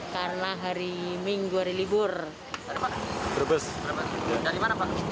kerja dalam lingkungan berarti ya pak